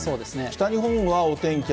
北日本はお天気